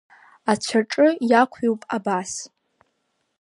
Ацәаҿы иақәҩуп абас…